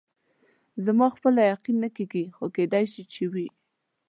زما خپله یقین نه کېږي، خو کېدای شي چې وي.